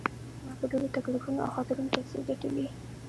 ما په ډیرو تکلیفونو او خطرونو پیسې ګټلي.